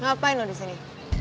ngapain lo disini